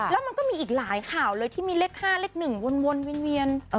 แล้วมันก็มีอีกหลายข่าวเลยที่มีเลข๕เลข๑วนเวียน